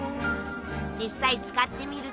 実際使ってみると。